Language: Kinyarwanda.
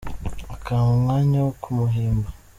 Akampa umwanya wo kumuhimba